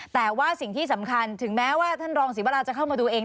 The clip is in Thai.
แต่ว่าสิ่งที่สำคัญถึงแม้ว่าท่านรองศรีวราจะเข้ามาดูเอง